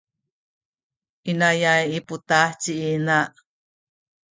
inayay i putah ci ina.